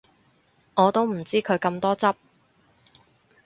我都唔知佢咁多汁